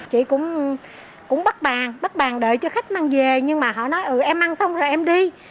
chị cũng bắt bàn bắt bàn đợi cho khách mang về nhưng mà họ nói ừ em ăn xong rồi em đi